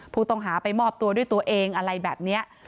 ผู้ต้องหาไปมอบตัวด้วยตัวเองอะไรแบบนี้